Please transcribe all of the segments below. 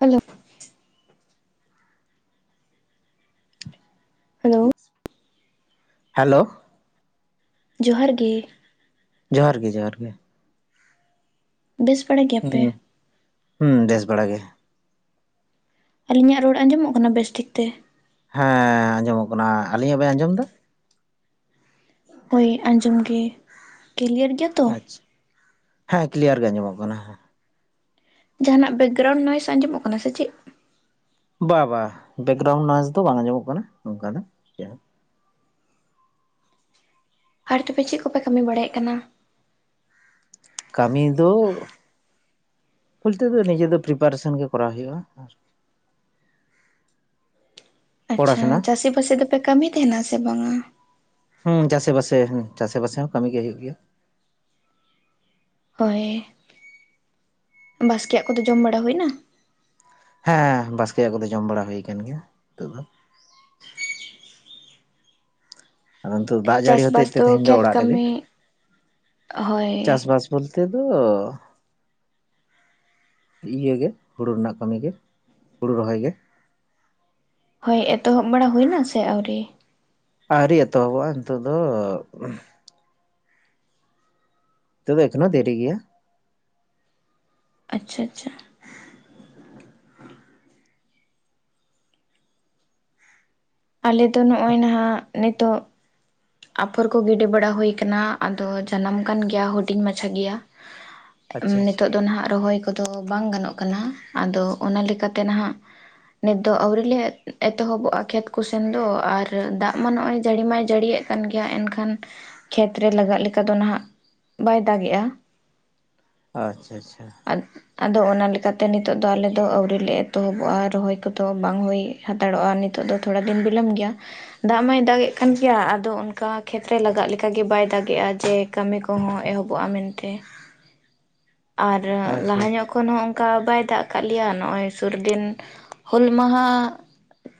Hello. Hello? Hello! ᱡᱚᱸᱦᱟᱨ ᱜᱮ᱾ ᱡᱚᱦᱟᱨ ᱜᱮ ᱡᱚᱦᱟᱨ ᱜᱮ ᱾ ᱵᱮᱥ ᱵᱟᱲᱟ ᱜᱮᱭᱟ ᱯᱮ? ᱦᱮᱸ ᱵᱮᱥ ᱵᱟᱲᱟ ᱜᱮ ᱾ ᱟᱞᱤᱧᱟᱜ ᱨᱚᱲ ᱟᱸᱡᱚᱢᱚᱜ ᱠᱟᱱᱟ ᱵᱮᱥ ᱴᱷᱤᱠ ᱛᱮ? ᱦᱮᱸ, ᱟᱸᱡᱚᱢᱚᱜ ᱠᱟᱱᱟ ᱾ ᱟᱞᱤᱧᱟᱜ ᱵᱮᱱ ᱟᱸᱡᱚᱢ ᱫᱟ? ᱦᱳᱭ ᱟᱸᱡᱚᱢ ᱜᱮ, ᱠᱤᱞᱭᱟᱨ ᱜᱮᱭᱟ ᱾ ᱟᱪᱪᱷᱟ, ᱦᱮᱸ ᱠᱞᱤᱭᱟᱨ ᱜᱮ ᱟᱸᱡᱚᱢᱚᱜ ᱠᱟᱱᱟ ᱾ ᱡᱟᱸᱦᱟᱱᱟᱜ ᱵᱮᱠᱜᱨᱟᱣᱩᱱᱰ ᱱᱚᱭᱮᱥ ᱟᱸᱡᱚᱢᱚᱜ ᱠᱟᱱᱟ ᱥᱮ ᱪᱮᱫ? ᱵᱟ ᱵᱟ ᱵᱮᱠᱜᱨᱟᱣᱩᱱᱰ ᱱᱚᱭᱮᱥ ᱫᱚ ᱵᱟᱝ ᱟᱸᱡᱚᱢᱚᱜ ᱠᱟᱱᱟ ᱱᱚᱝᱠᱟ ᱫᱚ ᱾ ᱟᱨ ᱛᱚᱵᱮ ᱪᱮᱫ ᱠᱚᱯᱮ ᱠᱟᱢᱤ ᱵᱟᱲᱟᱭᱮᱫ ᱠᱟᱱᱟ? ᱠᱟᱢᱤ ᱫᱚ, ᱵᱚᱞᱛᱮ ᱫᱚ ᱱᱤᱡᱮ ᱫᱚ ᱯᱨᱤᱯᱟᱨᱮᱥᱚᱱ ᱜᱮ ᱠᱚᱨᱟᱣ ᱦᱩᱭᱩᱜᱼᱟ ᱾ ᱟᱪᱪᱷᱟ, ᱯᱚᱲᱟᱥᱩᱱᱟ ᱪᱟᱥᱤ ᱵᱟᱥᱤ ᱫᱚᱯᱮ ᱠᱟᱹᱢᱤ ᱛᱟᱦᱮᱱᱟ ᱥᱮ ᱵᱟᱝᱟ? ᱦᱩᱸ ᱪᱟᱥᱮ ᱵᱟᱥᱮ ᱦᱩᱸ ᱪᱟᱥᱮ ᱵᱟᱥᱮ ᱦᱚᱸ ᱠᱟᱹᱢᱤ ᱜᱮ ᱦᱩᱭᱩᱜ ᱜᱮᱭᱟ ᱾ ᱦᱚᱭ, ᱵᱟᱥᱠᱮᱭᱟᱜ ᱠᱚᱫᱚ ᱡᱚᱢ ᱵᱟᱲᱟ ᱦᱩᱭ ᱱᱟ? ᱦᱮᱸ ᱵᱟᱥᱠᱮᱭᱟᱜ ᱠᱚᱫᱚ ᱡᱚᱢ ᱵᱟᱲᱟ ᱦᱩᱭ ᱟᱠᱟᱱ ᱜᱮᱭᱟ ᱱᱤᱛᱚᱜ ᱫᱚ ᱾ ᱟᱫᱚ ᱱᱤᱛᱚᱜ ᱫᱟᱜ ᱡᱟᱹᱲᱤ ᱦᱚᱛᱮᱡ ᱪᱟᱥᱵᱟᱥ ᱛᱮ ᱛᱮᱦᱮᱧ ᱫᱚ ᱠᱷᱮᱛ ᱚᱲᱟᱜ ᱨᱮᱜᱮ, ᱠᱟᱹᱢᱤ ᱦᱳᱭ ᱪᱟᱥᱵᱟᱥᱼᱼ ᱵᱚᱞᱛᱮ ᱫᱚᱼᱼ ᱤᱭᱟᱹ ᱜᱮ ᱦᱩᱲᱩ ᱨᱮᱱᱟᱜ ᱠᱟᱹᱢᱤ ᱜᱮ ᱦᱩᱲᱩ ᱨᱚᱦᱚᱭ ᱜᱮ ᱾ ᱦᱳᱭ ᱮᱛᱚᱦᱚᱵ ᱵᱟᱲᱟ ᱦᱩᱭᱱᱟ ᱥᱮ ᱟᱹᱣᱨᱤ? ᱟᱹᱣᱨᱤ ᱮᱛᱚᱦᱚᱵᱚᱜᱼᱟ ᱱᱤᱛᱚᱜ ᱫᱚ ᱾ ᱱᱤᱛᱚ ᱫᱚ ᱮᱠᱷᱱᱚ ᱫᱮᱨᱤ ᱜᱮᱭᱟ ᱾ ᱟᱪᱪᱷᱟ ᱟᱪᱪᱷᱟ ᱾ ᱟᱞᱮᱚ ᱱᱚᱜᱼᱚᱭ ᱱᱟᱜ ᱱᱤᱛᱚᱜᱼᱼ ᱟᱯᱷᱚᱨ ᱠᱚ ᱜᱤᱰᱤ ᱵᱟᱲᱟ ᱦᱩᱭ ᱠᱟᱱᱟ, ᱟᱫᱚ ᱡᱟᱱᱟᱢ ᱠᱟᱱ ᱜᱮᱭᱟ ᱦᱩᱰᱤᱧ ᱢᱟᱪᱷᱟ ᱜᱮᱭᱟ ᱾ ᱟᱪᱪᱷᱟ ᱱᱤᱛᱚᱜ ᱫᱚ ᱱᱟᱜ ᱨᱚᱦᱚᱭ ᱠᱚᱫᱚ ᱵᱟᱝ ᱜᱟᱱᱚᱜ ᱠᱟᱱᱟ ᱟᱫᱚ ᱚᱱᱟ ᱞᱮᱠᱟᱛᱮ ᱱᱟᱜᱼᱼ ᱱᱤᱛᱚᱜ ᱫᱚ ᱟᱹᱣᱨᱤ ᱞᱮ ᱮᱛᱚᱦᱚᱵᱚᱜᱼ ᱠᱷᱮᱛ ᱠᱚᱥᱮᱱ ᱫᱚ, ᱟᱨ ᱫᱟᱜ ᱢᱟ ᱱᱚᱜᱼᱚᱭ ᱡᱟᱹᱲᱤ ᱢᱟᱭ ᱡᱟᱹᱲᱤᱭᱮᱫᱼᱼ ᱠᱟᱱ ᱜᱮᱭᱟ ᱮᱱᱠᱷᱟᱱ ᱠᱷᱮᱛ ᱨᱮ ᱞᱟᱜᱟᱜ ᱞᱮᱠᱟ ᱫᱚ ᱱᱟᱜ ᱵᱟᱭ ᱫᱟᱜᱮᱜᱼᱟ ᱾ ᱟᱪᱪᱷᱟ ᱟᱪᱪᱷᱟ ᱾ ᱟᱫ ᱟᱫᱚ ᱚᱱᱟ ᱞᱮᱠᱟᱛᱮ ᱱᱤᱛᱚᱜ ᱫᱚ ᱟᱞᱮ ᱫᱚ ᱟᱹᱣᱨᱤᱞᱮ ᱮᱛᱚᱦᱚᱵᱚᱜᱼᱟ ᱨᱚᱦᱚᱭ ᱠᱚᱫᱚ ᱵᱟᱝ ᱦᱩᱭᱼᱼ ᱦᱟᱛᱟᱲᱚᱜᱼᱟ ᱱᱤᱛᱚᱜ ᱫᱚ ᱛᱷᱚᱲᱟ ᱫᱤᱱ ᱵᱤᱞᱚᱢ ᱜᱮᱭᱟ, ᱫᱟᱜ ᱢᱟᱭ ᱫᱟᱜᱮᱫ ᱠᱟᱱ ᱜᱮᱭᱟ ᱾ ᱟᱫᱚ ᱚᱱᱠᱟ ᱠᱷᱮᱛ ᱨᱮ ᱞᱟᱜᱟᱜ ᱞᱮᱠᱟ ᱜᱮ ᱵᱟᱭ ᱫᱟᱜᱮᱜᱼᱟ, ᱡᱮ ᱠᱟᱹᱢᱤ ᱠᱚᱦᱚᱸ ᱮᱦᱚᱵᱚᱜᱼᱟ ᱢᱮᱱᱛᱮ ᱾ [unintelligible] ᱟᱨ ᱟᱪᱪᱷᱟ ᱟᱪᱪᱷᱟ ᱞᱟᱦᱟ ᱧᱚᱜᱼᱼ ᱠᱷᱚᱱ ᱦᱚᱸ ᱚᱱᱠᱟ ᱵᱟᱭ ᱫᱟᱜ ᱠᱟᱜ ᱞᱮᱭᱟ, ᱱᱚᱜᱼᱚᱭ ᱥᱩᱨᱫᱤᱱ ᱦᱩᱞ ᱢᱟᱦᱟᱼᱼ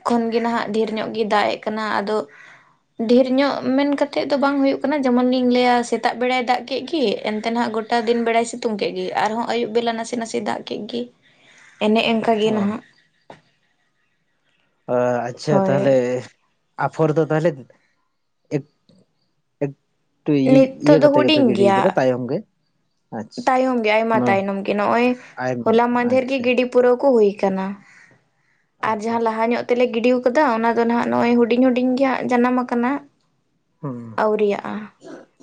ᱠᱷᱚᱱᱜᱮ ᱱᱟᱜ ᱰᱷᱤᱨ ᱧᱚᱜ ᱜᱮ ᱫᱟᱜᱮᱜ ᱠᱟᱱᱟ ᱟᱫᱚᱼᱼ ᱧᱚᱜ ᱢᱮᱱ ᱠᱟᱛᱮᱫ ᱫᱚ ᱵᱟᱝ ᱦᱩᱭᱩᱜ ᱠᱟᱱᱟ, ᱡᱮᱢᱚᱱ ᱞᱤᱧ ᱞᱟᱹᱭᱟ ᱥᱮᱛᱟᱜ ᱵᱮᱲᱟᱭ ᱫᱟᱜ ᱠᱮᱜ ᱜᱤ ᱮᱱᱛᱮ ᱱᱟᱜ ᱜᱚᱴᱼᱼ ᱮᱴᱟ ᱫᱤᱱ ᱵᱮᱲᱟᱭ ᱥᱤᱛᱩᱝ ᱠᱮᱜ ᱜᱮ, ᱟᱨᱦᱚᱸ ᱟᱭᱩᱵ ᱵᱮᱞᱟ ᱱᱟᱥᱮ ᱱᱟᱥᱮ ᱫᱟᱜ ᱠᱮᱜ ᱜᱮ ᱮᱱᱮ ᱮᱝᱠᱟ ᱾ ᱚᱱᱠᱟ ᱜᱮ ᱚ ᱱᱟᱜᱼᱼ ᱚ ᱟᱪᱪᱷᱟ ᱦᱳᱭ ᱛᱟᱦᱞᱮ ᱟᱯᱷᱚᱨ ᱫᱚ ᱛᱟᱦᱞᱮᱼᱼ ᱮᱠᱴᱩ ᱤᱭᱟᱹ ᱱᱤᱛᱚᱜ ᱫᱚ ᱠᱟᱛᱮ ᱜᱮᱯᱮ ᱦᱩᱰᱤᱧ ᱜᱤᱲᱤᱭ ᱜᱮᱭᱟ ᱠᱟᱫᱟ ᱛᱟᱭᱚᱢ ᱜᱮ ᱾ ᱛᱟᱭᱚᱢ ᱜᱮ ᱟᱭᱢᱟ ᱛᱟᱭᱱᱚᱢ ᱜᱮ, ᱱᱚᱜᱼᱚᱭ ᱟᱭᱮᱢ ᱦᱚᱞᱟ ᱢᱟᱸᱫᱷᱮᱨ ᱜᱤ ᱟᱪᱪᱷᱟ ᱜᱤᱰᱤᱼᱼ ᱯᱩᱨᱟᱹᱣ ᱠᱚ ᱦᱩᱭ ᱠᱟᱱᱟ᱾ ᱟᱨ ᱟᱪᱪᱷᱟ ᱡᱟᱸᱦᱟᱸ ᱟᱪᱪᱷᱟ ᱞᱟᱦᱟ ᱧᱚᱜᱼᱼ ᱛᱮᱞᱮ ᱜᱤᱰᱤᱣ ᱠᱟᱫᱟ ᱚᱱᱟ ᱫᱚ ᱱᱟᱜ ᱱᱚᱜᱼᱚᱭ ᱦᱩᱰᱤᱧ ᱦᱩᱰᱤᱧ ᱜᱮ ᱦᱟᱸᱜ ᱡᱟᱱᱟᱢ ᱟᱠᱟᱱᱟ ᱾ ᱦᱩᱸ ᱟᱹᱣᱨᱤᱭᱟᱜᱼᱟ,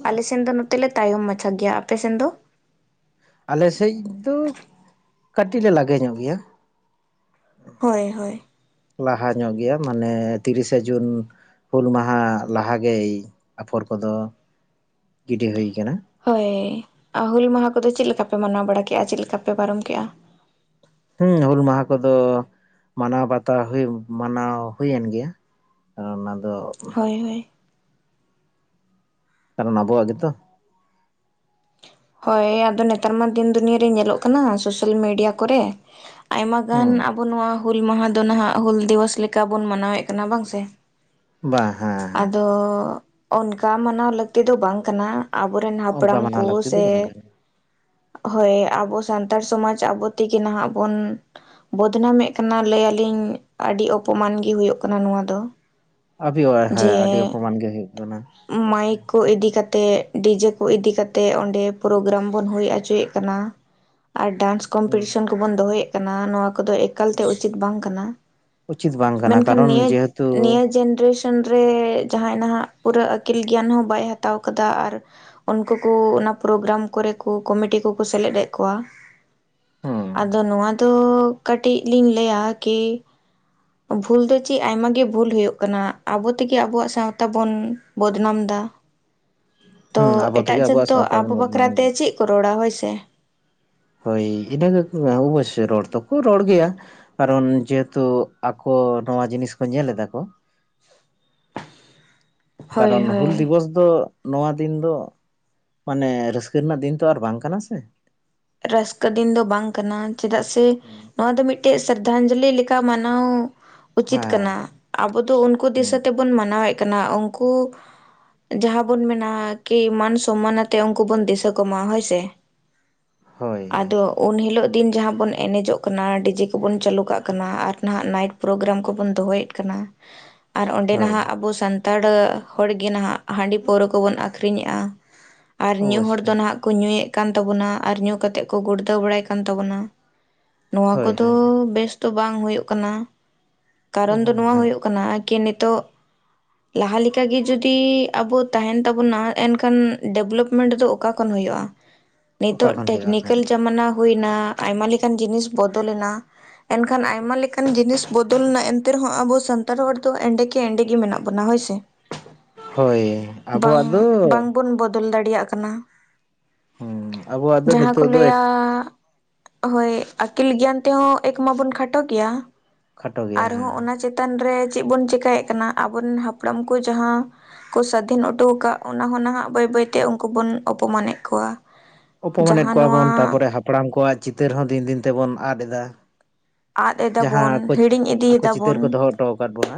ᱟᱞᱮ ᱥᱮᱱ ᱫᱚ ᱱᱚᱛᱮ ᱞᱮ ᱛᱟᱭᱚᱢ ᱢᱟᱪᱷᱟ ᱜᱮᱭᱟ ᱾ ᱟᱯᱮ ᱥᱮᱱ ᱫᱚ? ᱟᱞᱮ ᱥᱮᱡ ᱫᱚ ᱠᱟᱹᱴᱤᱡ ᱞᱮ ᱞᱟᱜᱮ ᱧᱚᱜ ᱜᱮᱭᱟ ᱾ ᱦᱳᱭ ᱦᱳᱭ᱾ ᱞᱟᱦᱟ ᱧᱚᱜ ᱜᱮᱭᱟ ᱢᱟᱱᱮ ᱛᱤᱨᱤᱥᱟ ᱡᱩᱱ ᱦᱩᱞ ᱢᱟᱦᱟ ᱞᱟᱦᱟ ᱜᱮᱭ ᱟᱯᱷᱚᱨ ᱠᱚᱫᱚ ᱜᱤᱰᱤ ᱦᱩᱭ ᱠᱟᱱᱟ᱾ ᱦᱳᱭ ᱟ ᱦᱩᱞ ᱢᱟᱦᱟ ᱠᱚᱫᱚ ᱪᱮᱫ ᱞᱮᱠᱟᱯᱮ ᱢᱟᱱᱟᱣ ᱵᱟᱲᱟ ᱠᱮᱜᱼᱟ? ᱪᱮᱫ ᱞᱮᱠᱟ ᱯᱮ ᱯᱟᱨᱚᱢ ᱠᱮᱜᱼᱟ? ᱦᱩᱸ ᱦᱩᱞ ᱢᱟᱦᱟ ᱠᱚᱫᱚ ᱢᱟᱱᱟᱣ ᱵᱟᱛᱟ ᱦᱩᱭᱩᱜ, ᱢᱟᱱᱟᱣ ᱦᱩᱭᱮᱱ ᱜᱮᱭᱟ᱾ ᱟᱨ ᱚᱱᱟ ᱫᱚ ᱦᱳᱭ ᱦᱳᱭ᱾ ᱠᱟᱨᱚᱱ ᱟᱵᱚᱣᱟᱜ ᱜᱮᱛᱚ᱾ ᱦᱳᱭ ᱟᱫᱚ ᱱᱮᱛᱟᱨ ᱢᱟ ᱫᱤᱱ ᱫᱩᱱᱤᱭᱟᱹ ᱨᱮ ᱧᱮᱞᱚᱜ ᱠᱟᱱᱟ ᱥᱳᱥᱟᱞ ᱢᱤᱰᱤᱭᱟ ᱠᱚᱨᱮ, ᱟᱭᱢᱟ ᱜᱟᱱ ᱦᱮᱸ ᱟᱵᱚ ᱱᱚᱣᱟ ᱦᱩᱞ ᱢᱟᱦᱟ ᱫᱚ ᱱᱟᱦᱟᱜ ᱦᱩᱞ ᱫᱤᱵᱚᱥ ᱞᱮᱠᱟ ᱵᱚᱱ ᱢᱟᱱᱟᱣᱮᱜ ᱠᱟᱱᱟ ᱵᱟᱝ ᱥᱮ᱾ ᱵᱟᱝ ᱦᱮᱸ ᱦᱮᱸ ᱟᱫᱚ ᱚᱱᱠᱟ ᱢᱟᱱᱟᱣ ᱞᱟᱹᱠᱛᱤ ᱫᱚ ᱵᱟᱝ ᱠᱟᱱᱟ᱾ ᱟᱵᱚᱨᱮᱱ ᱚᱱᱠᱟ ᱦᱟᱯᱲᱟᱢ ᱢᱟᱱᱟᱣ ᱠᱚ ᱞᱟᱹᱠᱛᱤ ᱫᱚ ᱥᱮ ᱵᱟᱝ ᱠᱟᱱᱟ ᱦᱳᱭ ᱟᱵᱚ ᱥᱟᱱᱛᱟᱲ ᱥᱚᱢᱟᱡᱽ ᱟᱵᱚ ᱛᱮᱜᱮ ᱱᱟᱦᱟᱜ ᱵᱚᱱ ᱵᱚᱫᱱᱟᱢᱮᱜ ᱠᱟᱱᱟ ᱞᱟᱹᱭ ᱟᱹᱞᱤᱧ ᱟᱹᱰᱤ ᱚᱯᱚᱢᱟᱱ ᱜᱮ ᱦᱩᱭᱩᱜ ᱠᱟᱱᱟ ᱱᱚᱣᱟ ᱫᱚ᱾ ᱟᱹᱵᱤ ᱳᱭᱮ ᱦᱮᱸ ᱡᱮ ᱟᱹᱰᱤ ᱚᱯᱚᱢᱟᱱ ᱜᱮ ᱦᱩᱭᱩᱜ ᱠᱟᱱᱟ ᱚᱵᱚᱥᱳᱭ᱾ ᱢᱟᱭᱤᱠ ᱠᱚ ᱤᱫᱤ ᱠᱟᱛᱮ ᱛᱮᱜ ᱰᱤᱡᱮ ᱠᱚ ᱤᱫᱤ ᱠᱟᱛᱮᱜ ᱚᱸᱰᱮ ᱯᱨᱳᱜᱨᱟᱢ ᱵᱚᱱ ᱦᱩᱭ ᱚᱪᱚᱭᱮᱜ ᱠᱟᱱᱟ, ᱟᱨ ᱰᱟᱱᱥ ᱦᱮᱸ ᱠᱚᱢᱯᱤᱴᱤᱥᱚᱱ ᱠᱚᱵᱚᱱ ᱫᱚᱦᱚᱭᱮᱜ ᱠᱟᱱᱟ ᱱᱚᱣᱟ ᱠᱚᱫᱚ ᱮ ᱮᱠᱟᱞᱛᱮ ᱦᱮᱸ ᱩᱪᱤᱛ ᱵᱟᱝ ᱠᱟᱱᱟ ᱩᱪᱤᱛ ᱵᱟᱝ ᱠᱟᱱᱟ ᱢᱮᱱᱠᱷᱟᱱ ᱠᱟᱨᱚᱱ ᱱᱤᱭᱟ ᱡᱮᱦᱮᱛᱩ ᱱᱤᱭᱟ ᱡᱮᱱᱨᱮᱥ ᱥᱚᱱ ᱨᱮ ᱡᱟᱦᱟᱸᱭ ᱱᱟᱦᱟᱜ ᱯᱩᱨᱟᱹ ᱟᱹᱠᱤᱞ ᱜᱮᱭᱟᱱ ᱦᱚᱸ ᱵᱟᱭ ᱦᱟᱛᱟᱣ ᱠᱟᱫᱟ, ᱟᱨ ᱩᱱᱠᱩ ᱠᱚ ᱚᱱᱟ ᱯᱨᱳᱜᱨᱟᱢ ᱠᱚᱨᱮ ᱠᱚ ᱠᱚᱢᱤᱴᱤ ᱠᱚᱠᱚ ᱥᱮᱞᱮᱫ ᱮᱫ ᱠᱚᱣᱟ᱾ ᱦᱮᱸ ᱟᱫᱚ ᱱᱚᱣᱟ ᱫᱚ ᱠᱟᱹᱴᱤᱜ ᱞᱤᱧ ᱞᱟᱹᱭᱟ ᱠᱤ ᱵᱷᱩᱞ ᱫᱚ ᱪᱮᱜ ᱟᱭᱢᱟ ᱜᱮ ᱵᱷᱩᱞ ᱦᱳᱭᱳᱜ ᱠᱟᱱᱟ ᱟᱵᱚ ᱛᱮᱜᱮ ᱟᱵᱚᱣᱟᱜ ᱥᱟᱶᱛᱟ ᱵᱚᱱ ᱵᱚᱫᱱᱟᱢᱫᱟ᱾ ᱛᱚ ᱦᱮᱸ ᱟᱵᱚ ᱮᱴᱟᱜ ᱛᱮᱜᱮ ᱡᱟᱹᱛ ᱟᱵᱚᱣᱟᱜ ᱫᱚ ᱥᱟᱶᱛᱟ ᱟᱵᱚ ᱵᱚᱱ ᱵᱟᱠᱷᱨᱟ ᱵᱚᱫᱱᱟᱢ ᱛᱮ ᱮᱫᱟ ᱪᱮᱜ ᱠᱚ ᱨᱚᱲᱟ ᱦᱳᱭᱥᱮ᱾ ᱦᱳᱭ ᱤᱱᱟᱹᱜᱮᱠᱚ ᱚᱵᱚᱥᱥᱳᱭ ᱨᱚᱲ ᱫᱚᱠᱚ ᱨᱚᱲ ᱜᱮᱭᱟ᱾ ᱠᱟᱨᱚᱱ ᱡᱮᱦᱮᱛᱩ ᱟᱠᱚ ᱱᱚᱣᱟ ᱡᱤᱱᱤᱥ ᱠᱚ ᱧᱮᱞᱮᱫᱟ ᱠᱚ, ᱦᱳᱭ ᱠᱟᱨᱚᱱ ᱦᱩᱞ ᱦᱳᱭ ᱫᱤᱵᱚᱥ ᱟᱫᱚ ᱱᱚᱣᱟ ᱫᱤᱱ ᱫᱚ ᱢᱟᱱᱮ ᱨᱟᱹᱥᱠᱟᱹ ᱨᱮᱱᱟᱜ ᱫᱤᱱ ᱛᱚ ᱟᱨ ᱵᱟᱝ ᱠᱟᱱᱟ ᱥᱮ᱾ ᱨᱟᱹᱥᱠᱟᱹ ᱫᱤᱱ ᱫᱚ ᱵᱟᱝ ᱠᱟᱱᱟ ᱪᱮᱫᱟᱜ ᱥᱮ ᱦᱩᱸ ᱱᱚᱣᱟ ᱫᱚ ᱢᱤᱫᱴᱮᱡ ᱥᱨᱟᱫᱷᱟᱧᱡᱚᱞᱤ ᱞᱮᱠᱟ ᱢᱟᱱᱟᱣ ᱩᱪᱤᱛ ᱦᱮᱸ ᱠᱟᱱᱟ ᱾ ᱟᱵᱚ ᱫᱚ ᱩᱱᱠᱩ ᱦᱩᱸ ᱫᱤᱥᱟᱹ ᱛᱮᱵᱚᱱ ᱢᱟᱱᱟᱣᱮᱜ ᱠᱟᱱᱟ, ᱩᱝᱠᱩ ᱡᱟᱦᱟᱸ ᱵᱚᱱ ᱢᱮᱱᱟ ᱠᱤ ᱢᱟᱱ ᱥᱚᱢᱢᱟᱱ ᱟᱛᱮ ᱩᱝᱠᱩ ᱵᱚᱱ ᱫᱤᱥᱟᱹ ᱠᱚᱢᱟ ᱦᱳᱭ ᱥᱮ᱾ ᱦᱳᱭ ᱦᱳᱭ ᱟᱫᱚ ᱩᱱ ᱦᱤᱞᱳᱜ ᱫᱤᱱ ᱡᱟᱦᱟᱸ ᱵᱚᱱ ᱮᱱᱮᱡᱚᱜ ᱠᱟᱱᱟ, ᱰᱤᱡᱮ ᱠᱚᱵᱚᱱ ᱪᱟᱹᱞᱩ ᱠᱟᱜ ᱠᱟᱱᱟ, ᱟᱨ ᱱᱟᱦᱟᱜ ᱱᱟᱭᱤᱴ ᱯᱨᱳᱜᱨᱟᱢ ᱠᱚᱵᱚᱱ ᱫᱚᱦᱚᱭᱮᱫ ᱠᱟᱱᱟ᱾ [unintelligible] ᱟᱨ ᱚᱸᱰᱮ ᱦᱳᱭ ᱱᱟᱦᱟᱜ ᱟᱵᱚ ᱥᱟᱱ ᱛᱟᱲ ᱦᱚᱲᱜᱮ ᱱᱟᱦᱟᱜ ᱦᱟᱺᱰᱤ ᱯᱟᱹᱣᱨᱟᱹ ᱠᱚᱵᱚᱱ ᱟᱹᱠᱷᱨᱤᱧᱮᱜᱼᱟ, ᱟᱨ ᱧᱩ ᱦᱚᱲ ᱫᱚ ᱚᱵᱚᱥᱥᱳᱭ ᱱᱟᱦᱟᱜ ᱠᱚ ᱧᱩᱭᱮᱜ ᱠᱟᱱ ᱛᱟᱵᱚᱱᱟ, ᱟᱨ ᱧᱩ ᱠᱟᱛᱮᱜ ᱠᱚ ᱜᱩᱲᱫᱷᱟᱹᱣ ᱵᱟᱲᱟᱭ ᱠᱟᱱ ᱛᱟᱵᱚᱱᱟ᱾ ᱱᱚᱣᱟ ᱦᱳᱭ ᱠᱚᱫᱚ ᱦᱳᱭ ᱦᱳᱭ ᱵᱮᱥ ᱫᱚ ᱵᱟᱝ ᱦᱳᱭᱳᱜ ᱠᱟᱱᱟ᱾ ᱚ ᱠᱟᱨᱚᱱ ᱫᱚ ᱱᱚᱣᱟ ᱦᱮᱸ ᱦᱳᱭᱳᱜ ᱠᱟᱱᱟ ᱠᱤ ᱱᱤᱛᱚᱜ [unintelligible] ᱞᱟᱦᱟ ᱞᱮᱠᱟᱜᱮ ᱡᱩᱫᱤ ᱟᱵᱚ ᱛᱟᱦᱮᱱ ᱛᱟᱵᱚᱱᱟ ᱮᱱᱠᱷᱟᱱ ᱰᱮᱵᱷᱞᱚᱯᱢᱮᱱᱴ ᱫᱚ ᱚᱠᱟ ᱠᱷᱚᱱ ᱦᱳᱭᱳᱜᱼᱟ᱾ ᱚᱠᱟ ᱱᱤᱛᱚᱜ ᱠᱷᱚᱱ ᱦᱩᱭᱩᱜᱼᱟ ᱴᱮᱠᱱᱤᱠᱮᱞ ᱦᱮᱸ ᱡᱟᱢᱟᱱᱟ ᱦᱩᱭᱱᱟ ᱟᱭᱢᱟ ᱞᱮᱠᱟᱱ ᱡᱤᱱᱤᱥ ᱵᱚᱫᱚᱞᱮᱱᱟ᱾ ᱮᱱᱠᱷᱟᱱ ᱟᱭᱢᱟ ᱞᱮᱠᱟᱱ ᱡᱤᱱᱤᱥ ᱵᱚᱫᱚᱞᱱᱟ ᱮᱱᱛᱮ ᱨᱮᱦᱚᱸ ᱟᱵᱚ ᱥᱟᱱᱛᱟᱲ ᱦᱚᱲ ᱫᱚ ᱮᱸᱰᱮ ᱮᱸᱰᱮ ᱜᱮ ᱢᱮᱱᱟᱜ ᱵᱚᱱᱟ ᱦᱳᱭᱥᱮ, ᱦᱳᱭ ᱵᱟᱝ ᱟᱵᱚᱣᱟᱜ ᱫᱚ ᱵᱟᱝ ᱵᱚᱱ ᱵᱚᱫ [unintelligible] ᱫᱟᱲᱮᱭᱟᱜ ᱠᱟᱱᱟ᱾ ᱦᱩᱸ ᱟᱵᱚᱣᱟᱜ ᱫᱚ ᱡᱟᱦᱟᱸ ᱠᱚ ᱱᱤᱛᱚᱜ ᱫᱚ ᱞᱟᱹᱭᱟ᱾ ᱦᱳᱭ ᱟᱹᱠᱤᱞ ᱜᱮᱭᱟᱱ ᱛᱮᱦᱚᱸ ᱮᱠ ᱢᱟᱵᱚᱱ ᱠᱷᱟᱴᱚ ᱜᱮᱭᱟ ᱠᱷᱟᱴᱚ ᱜᱮᱭᱟ ᱟᱨᱦᱚᱸ ᱦᱮᱸ ᱚᱱᱟ ᱪᱮ ᱛᱟᱱ ᱨᱮ ᱪᱮᱜ ᱵᱚᱱ ᱪᱮᱠᱟᱭᱮᱜ ᱠᱟᱱᱟ ᱟᱵᱚᱨᱮᱱ ᱦᱟᱯᱲᱟᱢ ᱠᱚ ᱡᱟᱦᱟᱸ ᱠᱚ ᱥᱟᱹᱫᱷᱤᱱ ᱦᱚᱴᱚ ᱠᱟᱜ ᱚᱱᱟ ᱦᱚᱸ ᱱᱟᱦᱟᱜ ᱵᱟᱹᱭ ᱵᱟᱹᱭᱛᱮ ᱩᱝᱠᱩ ᱵᱚᱱ ᱚᱯᱚᱢᱟᱱᱮᱜ ᱠᱚᱣᱟ᱾ ᱚᱯᱚᱢᱟᱱᱮᱫ ᱡᱟᱦᱟᱸ ᱠᱚᱣᱟ ᱵᱚᱱ ᱱᱚᱣᱟ ᱛᱟᱨᱯᱚᱨᱮ ᱦᱟᱯᱲᱟᱢ ᱠᱚᱣᱟᱜ ᱪᱤᱛᱟᱹᱨ ᱦᱚᱸ ᱫᱤᱱ ᱫᱤᱱ ᱛᱮ ᱵᱚᱱ ᱟᱫ ᱫᱟ᱾ ᱟᱫ ᱡᱟᱦᱟᱸ ᱠᱚ ᱮᱫᱟᱵᱚᱱ ᱦᱤᱲᱤᱧ ᱟᱠᱚ ᱪᱤᱛᱟᱹᱨ ᱤᱫᱤᱭᱮᱫᱟᱵᱚᱱ ᱠᱚ ᱫᱚᱦᱚ ᱦᱚᱴᱚ ᱟᱠᱟᱫ ᱵᱚᱱᱟ᱾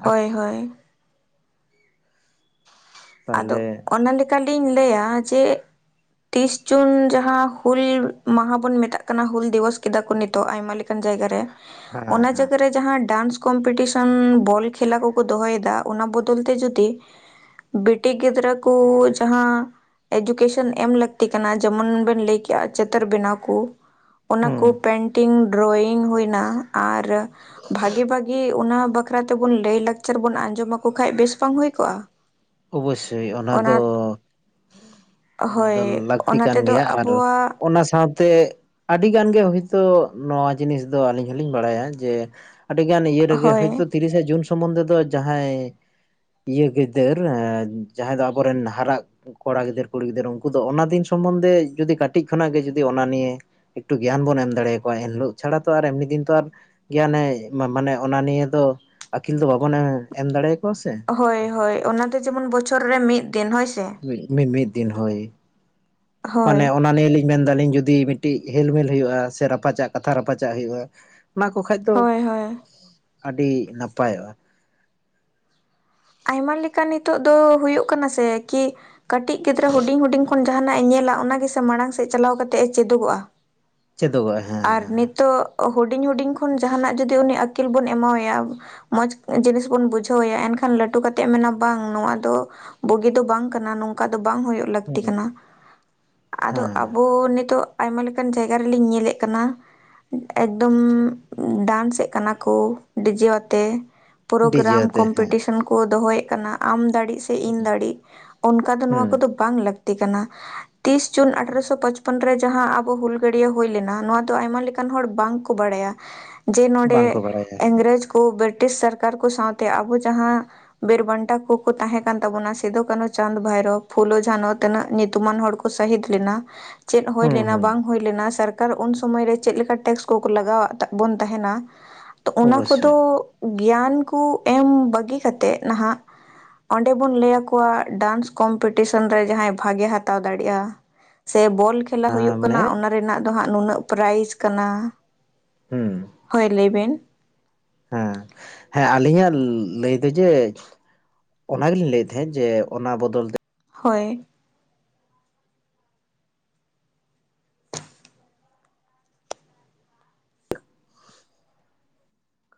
ᱦᱳᱭ ᱦᱳᱭ ᱟᱫᱚ ᱛᱟᱦᱚᱞᱮ ᱚᱱᱟ ᱞᱮᱠᱟ ᱞᱤᱧ ᱞᱟᱹᱭᱟ ᱡᱮ ᱛᱤᱥ ᱡᱩᱱ ᱡᱟᱦᱟᱸ ᱦᱩᱞ ᱢᱟᱦᱟ ᱵᱚᱱ ᱢᱮᱛᱟᱜ ᱠᱟᱱᱟ ᱦᱩᱞ ᱫᱤᱵᱚᱥ ᱠᱮᱫᱟ ᱠᱚᱤᱛᱚᱜ ᱟᱭᱢᱟ ᱞᱮᱠᱟ ᱡᱟᱭᱜᱟ ᱨᱮ ᱦᱮᱸ ᱚᱱᱟ ᱦᱮᱸ ᱡᱟᱭᱜᱟ ᱨᱮ ᱡᱟᱦᱟᱸ ᱰᱟᱱᱥ ᱠᱚᱢᱯᱤᱴᱤᱥᱚᱱ ᱵᱚᱞ ᱠᱷᱮᱞᱟ ᱠᱚ ᱠᱚ ᱫᱚᱦᱚᱭ ᱮᱫᱟ ᱚᱱᱟ ᱵᱚᱫᱚᱞ ᱛᱮ ᱡᱩᱫᱤ ᱵᱤᱴᱤ ᱜᱤᱫᱽᱨᱟᱹ ᱠᱚ ᱡᱟᱦᱟᱸ ᱮᱰᱩᱠᱮᱥᱚᱱ ᱮᱢ ᱞᱟᱹᱠᱛᱤ ᱠᱟᱱᱟ ᱡᱮᱢᱚᱱ ᱵᱮᱱ ᱞᱟᱹᱭ ᱠᱮᱜᱼᱟ ᱪᱤᱛᱟᱹᱨ ᱵᱮᱱᱟᱣ ᱠᱚ ᱚᱱᱟ ᱦᱩᱸ ᱠᱚ ᱯᱮᱱᱴᱤᱝ ᱰᱨᱚᱭᱤᱝ ᱦᱩᱭᱱᱟ ᱟᱨ ᱵᱷᱟᱜᱤ ᱵᱷᱟᱜᱤ ᱚᱱᱟ ᱵᱟᱠᱷᱨᱟ ᱛᱮᱵᱚᱱ ᱞᱟᱹᱭ ᱞᱟᱠᱪᱟᱨ ᱵᱚᱱ ᱟᱸᱡᱚᱢ ᱟᱠᱚ ᱠᱷᱟᱱ ᱵᱮᱥ ᱵᱟᱝ ᱦᱩᱭ ᱠᱚᱜᱼᱟ᱾ ᱚᱵᱚᱥᱳᱭ ᱚᱱᱟ ᱫᱚ ᱚᱱᱟ ᱦᱳᱭ ᱫᱚ ᱞᱟᱹᱠᱛᱤ ᱚᱱᱟ ᱠᱟᱱ ᱛᱮᱫᱚ ᱜᱮᱭᱟ ᱟᱨ ᱟᱵᱚᱣᱟᱜ ᱚᱱᱟ ᱥᱟᱶ ᱛᱮ ᱛᱮ ᱟᱹᱰᱤ ᱜᱟᱱ ᱜᱮ ᱦᱳᱭᱛᱳ ᱱᱚᱣᱟ ᱡᱤᱱᱤᱥ ᱫᱚ ᱟᱹᱞᱤᱧ ᱦᱚᱞᱤᱧ ᱵᱟᱲᱟᱭᱟ ᱡᱮ ᱟᱹᱰᱤ ᱜᱟᱱ ᱤᱭᱟᱹ ᱨᱮ ᱜᱮ ᱦᱳᱭ ᱦᱚᱭᱛᱳ ᱛᱤᱨᱤᱥᱟᱜ ᱡᱩᱱ ᱥᱚᱢᱚᱱᱫᱷᱮ ᱫᱚ ᱡᱟᱦᱟᱸᱭ ᱤᱭᱟᱹ ᱜᱤᱫᱟᱹᱨ ᱡᱟᱦᱟᱸᱭ ᱫᱚ ᱟᱵᱚᱨᱮᱱ ᱦᱟᱨᱟᱜ ᱠᱚᱲᱟ ᱜᱤᱫᱟᱹᱨᱟᱹ ᱠᱩᱲᱤ ᱜᱤᱫᱟᱹᱨᱟᱹ ᱩᱱᱠᱩ ᱫᱚ ᱚᱱᱟ ᱫᱤᱱ ᱥᱚᱢᱚᱱᱫᱷᱮ ᱡᱩᱫᱤ ᱠᱟᱹᱴᱤᱡ ᱠᱷᱚᱱᱟᱜ ᱜᱮ ᱡᱩᱫᱤ ᱚᱱᱟ ᱱᱤᱭᱮ ᱮᱠᱴᱩ ᱜᱮᱭᱟᱱ ᱵᱚᱱ ᱮᱢ ᱫᱟᱲᱮᱭᱟᱠᱚᱣᱟ ᱮᱱᱦᱤᱞᱳᱜ ᱪᱷᱟᱲᱟ ᱛᱚ ᱟᱨ ᱮᱢᱱᱤ ᱫ ᱛᱚ ᱟᱨ ᱜᱮᱭᱟᱱᱮ ᱢᱟᱱᱮ ᱚᱱᱟ ᱱᱤᱭᱟᱹ ᱫᱚ ᱟᱹᱠᱤᱞ ᱫᱚ ᱵᱟᱵᱚᱱ ᱮᱢ ᱫᱟᱲᱮᱭᱟᱠᱚᱣᱟ ᱥᱮ ᱦᱳᱭ ᱦᱳᱭ ᱚᱱᱟ ᱫᱚ ᱡᱮᱢᱚᱱ ᱵᱚᱪᱷᱚᱨ ᱨᱮ ᱢᱤᱫ ᱫᱤᱱ ᱦᱳᱭ ᱥᱮ᱾ ᱢᱤ ᱢᱤᱫ ᱫᱤᱱ ᱦᱳᱭ ᱢᱟᱱᱮ ᱦᱳᱭ ᱚᱱᱟ ᱱᱤᱭᱮ ᱞᱤᱧ ᱢᱮᱱ ᱫᱟᱞᱤᱧ ᱡᱩᱫᱤ ᱢᱤᱫᱴᱤᱡ ᱦᱮᱞᱢᱮᱞ ᱦᱩᱭᱩᱜᱼᱟ ᱥᱮ ᱨᱟᱯᱟᱪᱟᱜ ᱠᱟᱛᱷᱟ ᱨᱟᱯᱟᱪᱟᱜ ᱦᱩᱭᱩᱜᱼᱟ᱾ ᱚᱱᱟ ᱠᱚ ᱠᱷᱟᱡ ᱫᱚ ᱦᱳᱭ ᱦᱳᱭ ᱟᱹᱰᱤ ᱱᱟᱯᱟᱭᱚᱜᱼᱟ᱾ ᱟᱭᱢᱟ ᱞᱮᱠᱟ ᱱᱤᱛᱚᱜ ᱫᱚ ᱦᱳᱭᱳᱜ ᱠᱟᱱᱟ ᱥᱮ ᱠᱤ ᱠᱟᱹᱴᱤᱡ ᱜᱤᱫᱽᱨᱟᱹ ᱦᱩᱰᱤᱧ ᱦᱩᱰᱤᱧ ᱛᱚᱠᱷᱚᱱ ᱡᱟᱦᱟᱱᱟᱜ ᱮ ᱧᱮᱞᱟ ᱚᱱᱟ ᱜᱮᱥᱮ ᱢᱟᱲᱟᱝ ᱥᱮᱫ ᱪᱟᱞᱟᱣ ᱠᱟᱛᱮ ᱮ ᱪᱮᱫᱚᱜᱚᱜᱼᱟ᱾ ᱪᱮᱫᱚᱜᱼᱟᱭ ᱦᱮᱸ ᱟᱨ ᱦᱮᱸ ᱱᱤᱛᱚᱜ ᱦᱩᱰᱤᱧ ᱦᱩᱰᱤᱧ ᱠᱷᱚᱱ ᱡᱟᱦᱟᱱᱟᱜ ᱡᱩᱫᱤ ᱩᱱᱤ ᱟᱹᱠᱤᱞ ᱵᱚᱱ ᱮᱢᱟᱣᱟᱭᱟ ᱢᱚᱸᱡᱽ ᱡᱤᱱᱤᱥ ᱵᱚᱱ ᱵᱩᱡᱷᱟᱹᱣ ᱮᱭᱟ ᱮᱱᱠᱷᱟᱱ ᱞᱟᱹᱩ ᱞᱟᱴᱩ ᱠᱟᱛᱮ ᱢᱮᱱᱟ ᱵᱟᱝ ᱱᱚᱣᱟ ᱫᱚ ᱵᱩᱜᱤ ᱫᱚ ᱵᱟᱝ ᱠᱟᱱᱟ ᱱᱚᱝ ᱚᱱᱠᱟ ᱫᱚ ᱵᱟᱝᱳ ᱞᱟᱹᱠᱛᱤ ᱦᱩᱸ ᱠᱟᱱᱟ ᱟᱫᱚ ᱦᱮᱸ ᱟᱵᱚ ᱱᱤᱛᱚᱜ ᱟᱭᱢᱟ ᱞᱮᱠᱟᱱ ᱡᱟᱭᱜᱟ ᱨᱮᱞᱤᱧ ᱧᱮᱞᱮᱫ ᱠᱟᱱᱟ᱾ ᱮᱠᱫᱚᱢ ᱰᱟᱱᱥᱮᱫ ᱠᱟᱱᱟ ᱠᱚ ᱰᱤᱡᱮ ᱟᱛᱮ᱾ ᱰᱤᱡᱮ ᱯᱨᱳᱜᱨᱟᱢ ᱟᱛᱮ ᱦᱮᱸ ᱠᱚᱢᱯᱤᱴᱤ ᱠᱚ ᱫᱚᱦᱚᱭᱮᱫ ᱠᱟᱱᱟ ᱟᱢ ᱫᱟᱲᱮᱜ ᱥᱮ ᱤᱧ ᱫᱟᱲᱮᱜ ᱚᱱᱠᱟ ᱫᱚ ᱦᱩᱸ ᱱᱚᱣᱟ ᱠᱚᱫᱚ ᱵᱟᱝ ᱞᱟᱹᱠᱛᱤ ᱠᱟᱱᱟ᱾ ᱛᱤᱥ ᱡᱩᱱ ᱟᱴᱷᱨᱚ ᱯᱚᱪᱯᱚᱱ ᱨᱮ ᱡᱟᱦᱟᱸ ᱟᱵᱚ ᱦᱩᱞ ᱜᱟᱹᱲᱭᱟᱹ ᱦᱩᱭ ᱞᱮᱱᱟ ᱱᱚᱣᱟ ᱫᱚ ᱟᱭᱢᱟ ᱞᱮᱠᱟ᱾ ᱚᱱᱠᱟᱱ ᱦᱚᱲ ᱵᱟᱝ ᱠᱚ ᱵᱟᱲᱟᱭᱟ᱾ [inaudible] ᱡᱮ ᱵᱟᱝᱠᱚ ᱱᱚᱸᱰᱮ ᱵᱟᱲᱟᱭᱟ ᱤᱝᱨᱮᱡᱽ ᱠᱚ ᱵᱨᱤᱴᱤᱥ ᱥᱚᱨᱠᱟᱨ ᱠᱚ ᱥᱟᱶᱛᱮ ᱟᱵᱚ ᱡᱟᱦᱟᱸ ᱵᱤᱨᱵᱟᱱᱴᱟ ᱠᱚ ᱠᱚ ᱛᱟᱦᱮᱸ ᱠᱟᱱ ᱛᱟᱵᱚᱱᱟ ᱥᱤᱫᱩ ᱠᱟᱹᱱᱦᱩ ᱪᱟᱸᱫᱽ ᱵᱷᱟᱭᱨᱳ ᱯᱷᱩᱞᱳ ᱡᱷᱟᱱᱚ ᱛᱤᱱᱟᱹᱜ ᱧᱩᱛᱩᱢᱟᱱ ᱦᱚᱲ ᱠᱚ ᱥᱟᱹᱦᱤᱫ ᱞᱮᱱᱟ ᱪᱮᱫ ᱦᱩᱭ ᱦᱩᱸ ᱞᱮᱱᱟ ᱦᱩᱸ ᱵᱟᱝ ᱦᱩᱭ ᱞᱮᱱᱟ, ᱥᱚᱨᱠᱟᱨ ᱩᱱ ᱥᱚᱢᱚᱭ ᱨᱮ ᱪᱮᱫ ᱞᱮᱠᱟ ᱴᱮᱠᱥ ᱠᱚᱠᱚ ᱞᱟᱜᱟᱣᱟᱜ ᱵᱚᱱ ᱛᱟᱦᱮᱱᱟ ᱾ ᱛᱚ, ᱚᱱᱟ ᱠᱚᱫᱚ ᱚᱵᱚᱥᱥᱳᱭ ᱜᱮᱭᱟᱱ ᱠᱚ ᱮᱢ ᱵᱟᱹᱜᱤ ᱠᱟᱛᱮᱜ ᱱᱟᱦᱟᱜ ᱚᱸᱰᱮ ᱵᱚᱱ ᱞᱟᱹᱭ ᱟᱠᱚᱣᱟ ᱰᱟᱱᱥ ᱠᱚᱢᱯᱤᱴᱤᱥᱮᱱ ᱨᱮ ᱡᱟᱦᱟᱸᱭ ᱵᱷᱟᱜᱮ ᱦᱟᱛᱟᱣ ᱫᱟᱲᱮᱭᱟᱜᱼᱟ ᱾ ᱥᱮ ᱵᱚᱞ ᱠᱷᱮᱞᱟ ᱦᱳᱭᱳᱜ ᱢᱟᱱᱮ ᱠᱟᱱᱟ ᱚᱱᱟ ᱨᱮᱱᱟᱜ ᱫᱚ ᱦᱟᱸᱜ ᱱᱩᱱᱟᱹᱜ ᱯᱨᱟᱭᱤᱡᱽ ᱠᱟᱱᱟ ᱾ ᱦᱩᱸᱻ ᱾ ᱦᱳᱭ, ᱞᱟᱹᱭᱵᱮᱱ? ᱦᱮᱸ, ᱥᱮᱸ ᱦᱮᱸ ᱟᱹᱞᱤᱧᱟᱜ ᱞᱟᱹᱭ ᱫᱚ ᱡᱮ ᱚᱱᱟᱜᱞᱤᱧ ᱞᱟᱹᱭᱮᱫ ᱛᱟᱦᱮᱸᱫ ᱡᱮ ᱚᱱᱟ ᱵᱚᱫᱚᱞ ᱛᱮ ᱦᱳᱭ ᱾